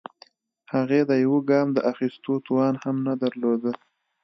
هغې د يوه ګام د اخيستو توان هم نه درلوده.